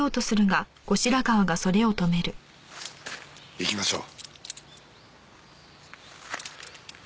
行きましょう。